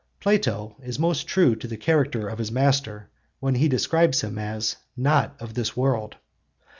Plato is most true to the character of his master when he describes him as 'not of this world.